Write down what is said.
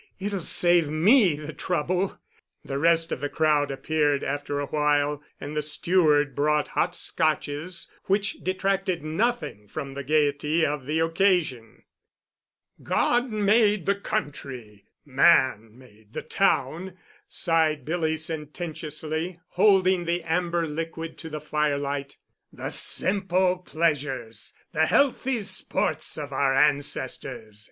It'll save me the trouble." The rest of the crowd appeared after a while, and the steward brought hot Scotches, which detracted nothing from the gayety of the occasion. "God made the country—man made the town," sighed Billy sententiously, holding the amber liquid to the firelight. "The simple pleasures—the healthy sports of our ancestors!